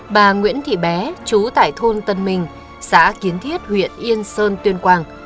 bà nguyễn thị bé chú tại thôn tân minh xã kiến thiết huyện yên sơn tuyên quang